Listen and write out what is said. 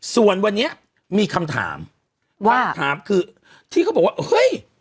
ส่วนวันนี้มีคำถามคำถามคือที่เขาบอกว่าเฮ้ย